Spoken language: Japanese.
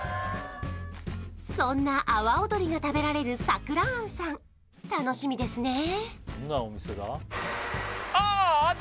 そんな阿波尾鶏が食べられる咲くら庵さん楽しみですねあ！